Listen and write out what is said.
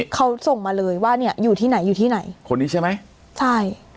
เขาส่งมาเลยว่าเนี่ยอยู่ที่ไหนอยู่ที่ไหนคนนี้ใช่ไหมใช่